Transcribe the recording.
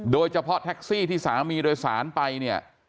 โดยเฉพาะแท็กซี่ที่สามีโดยสารไปเนี่ย